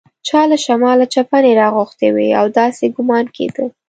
چا له شماله چپنې راغوښتي وې او داسې ګومان کېده.